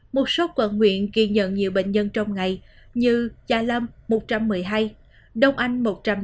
một số quận huyện ghi nhận nhiều bệnh nhân trong ngày như gia lâm một trăm một mươi hai đông anh một trăm linh tám